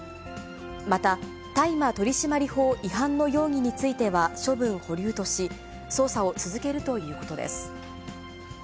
また、大麻取締法違反の容疑については処分保留とし、捜査を続けるということです。